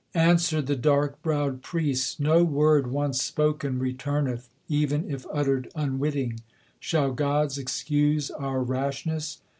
Answered the dark browed priests, 'No word, once spoken, returneth, Even if uttered unwitting. Shall gods excuse our rashness?